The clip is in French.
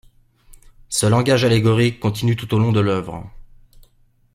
Ce langage allégorique continue tout au long de l’œuvre.